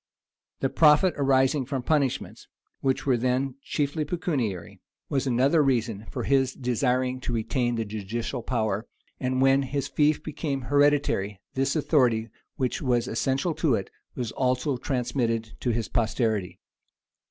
The profit arising from punishments, Which were then chiefly pecuniary, was another reason for his desiring to retain the judicial power; and when his fief became hereditary, this authority, which was essential to it, was also transmitted to his posterity.